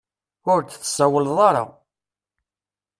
Ur d-tsawaleḍ ara.